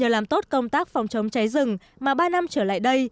làm tốt công tác phòng chống cháy rừng mà ba năm trở lại đây